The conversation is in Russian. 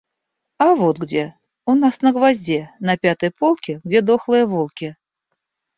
А вот где: у нас на гвозде, на пятой полке, где дохлые волки